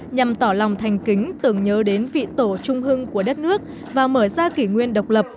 nhằm tỏ lòng thành kính tưởng nhớ đến vị tổ trung hưng của đất nước và mở ra kỷ nguyên độc lập